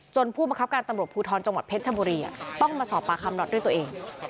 ผู้บังคับการตำรวจภูทรจังหวัดเพชรชบุรีต้องมาสอบปากคำน็อตด้วยตัวเอง